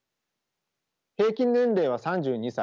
平均年齢は３２歳。